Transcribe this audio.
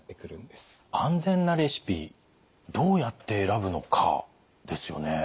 安全なレシピどうやって選ぶのかですよね。